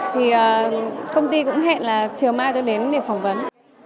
thì công ty cũng hẹn là chiều mai tôi đến để phỏng vấn